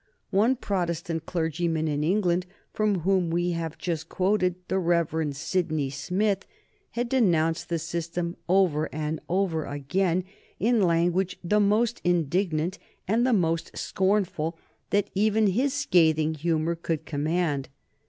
One Protestant clergyman in England, from whom we have just quoted, the Rev. Sydney Smith, had denounced the system over and over again in language the most indignant and the most scornful that even his scathing humor could command.